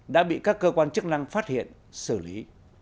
đã bị các cơ quan chức năng phát hiện xử lý